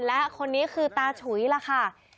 และคนนี้คือตาฉุยล่ะค่ะ